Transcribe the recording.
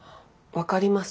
分かります。